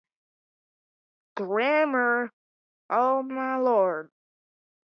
This push built on existing principles and protocols of government administration already in place.